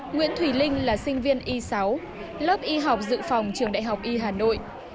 nguyễn thùy linh là sinh viên y sáu lớp y học dự phòng trường đại học y hà nội